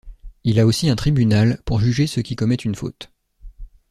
Il a aussi un tribunal pour juger ceux qui commettent une faute.